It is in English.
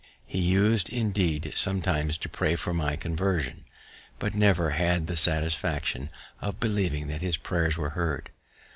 He us'd, indeed, sometimes to pray for my conversion, but never had the satisfaction of believing that his prayers were heard.